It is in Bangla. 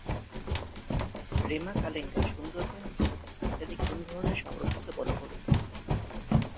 রেমা-কালেঙ্গা, সুন্দরবন, চুনাতি ইত্যাদি কোন ধরনের সংরক্ষিত বনভূমি?